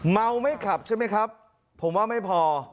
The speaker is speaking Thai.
เมาไม่ขับใช่ไหมครับผมว่าไม่พอ